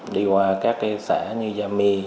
đi qua các xã như gia mi